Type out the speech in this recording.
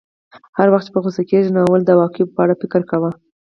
هر وخت چې په غوسه کېږې نو اول د عواقبو په اړه فکر کوه.